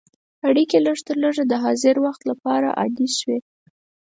اړیکې لږترلږه د حاضر وخت لپاره عادي شوې.